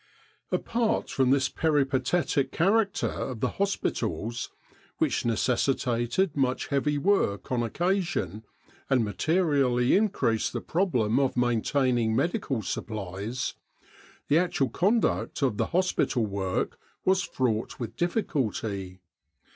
Apart from this peripatetic character of the hos pitals, which necessitated much heavy work on occasion and materially increased the problem of maintaining medical supplies, the actual conduct of the hospital work was fraught with difficulty.